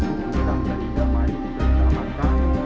akhirnya di bagian mana itu